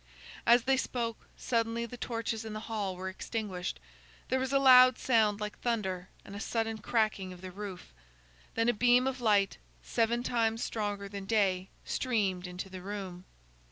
As they spoke, suddenly the torches in the hall were extinguished; there was a loud sound like thunder and a sudden cracking of the roof. Then a beam of light, seven times stronger than day, streamed into the room.